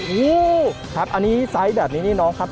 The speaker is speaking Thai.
โอ้โหครับอันนี้ไซส์แบบนี้นี่น้องครับ